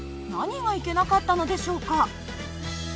何がいけなかったのでしょうか？